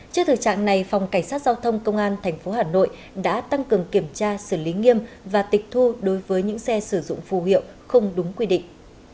trước thực trạng này phòng cảnh sát giao thông công an tp hà nội đã tăng cường kiểm tra xử lý nghiêm và tịch thu đối với những xe sử dụng phù hiệu không đúng quy định